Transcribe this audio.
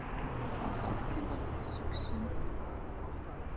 Yessefk ad aɣ-d-tessukksem.